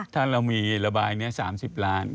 ถ้าเรามีระบายนี้๓๐ล้าน